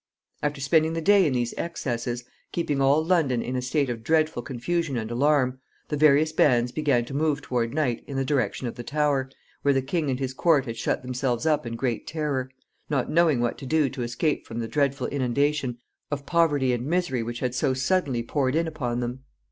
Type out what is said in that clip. After spending the day in these excesses, keeping all London in a state of dreadful confusion and alarm, the various bands began to move toward night in the direction of the Tower, where the king and his court had shut themselves up in great terror, not knowing what to do to escape from the dreadful inundation of poverty and misery which had so suddenly poured in upon them.